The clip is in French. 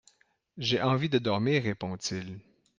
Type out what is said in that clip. J'ai envie de dormir, répondit-il.